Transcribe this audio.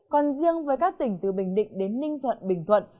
còn riêng với các tỉnh từ bình định đến ninh thuận bình thuận